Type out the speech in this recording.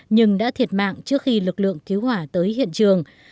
nhưng đã thiệt mạng trước khi lực lượng cứu hỏa tới hiện trường